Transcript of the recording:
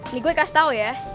ini gue kasih tau ya